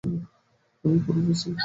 আমি কোনও পিস্তল খুঁজে পাইনি!